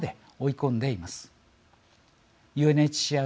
ＵＮＨＣＲ